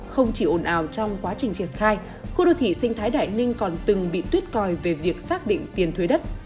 không chỉ ồn ào trong quá trình triển khai khu đô thị sinh thái đại ninh còn từng bị tuyết coi về việc xác định tiền thuế đất